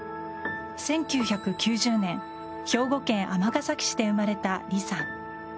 １９９０年、兵庫県尼崎市で生まれたリさん。